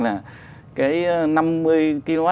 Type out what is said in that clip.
là cái năm mươi kw